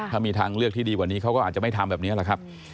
ถ้ามีทางเลือกที่ดีกว่านี้เขาก็อาจจะไม่ทำแบบนี้แหละครับ